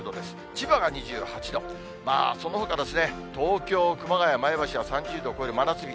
千葉が２８度、そのほか東京、熊谷、前橋は３０度を超える真夏日。